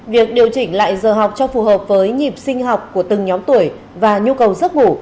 việc điều chỉnh lại giờ học cho phù hợp với nhịp sinh học của từng nhóm tuổi và nhu cầu giấc ngủ